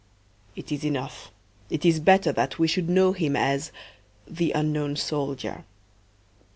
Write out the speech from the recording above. It is enough, it is better that we should know him as "the unknown soldier."